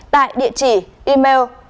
tại địa chỉ email